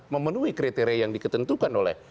memenuhi kriteria yang diketentukan oleh